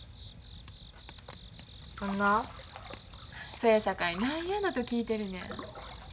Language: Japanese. そやさかい何やのと聞いてるねん。